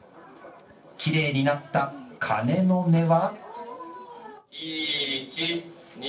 きれいになった鐘の音は。